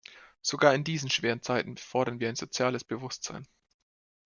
Sogar in diesen schweren Zeiten fordern wir ein soziales Bewusstsein.